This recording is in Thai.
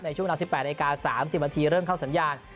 ช่วงเวลา๑๘นาที๓๐นาทีเริ่มเข้าสัญญาณ